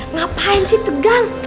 ngapain sih tegang